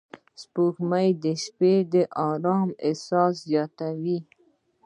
سپوږمۍ د شپې د آرامۍ احساس زیاتوي